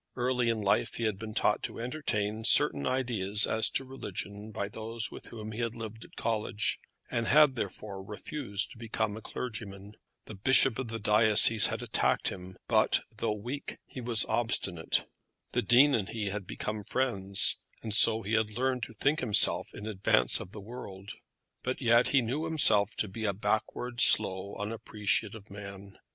Early in life he had been taught to entertain certain ideas as to religion by those with whom he had lived at college, and had therefore refused to become a clergyman. The bishop of the diocese had attacked him; but, though weak, he was obstinate. The Dean and he had become friends, and so he had learned to think himself in advance of the world. But yet he knew himself to be a backward, slow, unappreciative man.